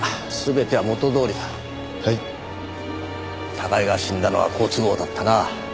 高井が死んだのは好都合だったな。